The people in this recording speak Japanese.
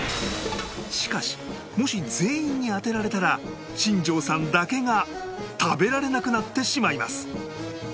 しかしもし全員に当てられたら新庄さんだけが食べられなくなってしまいます